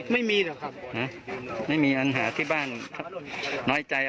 ไม่มีรอครับฮะอาจไม่มีอันหาที่บ้านน้อยใจ